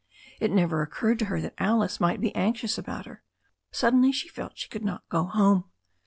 It never occurred to her that Alice might be anxious about her. Suddenly she felt she could not go home.